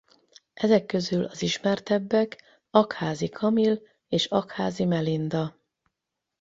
Ezek közül az ismertebbek Aggházy Kamil és Aggházy Melinda.